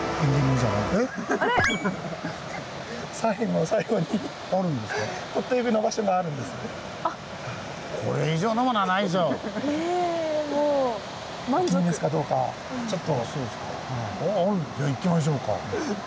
じゃあ行きましょうか。